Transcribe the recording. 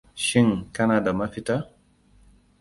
Shin kana da mafita?